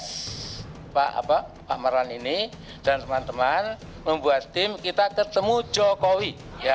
saya akan minta ires pak maran ini dan teman teman membuat tim kita ketemu jokowi